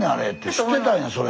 知ってたんやそれ。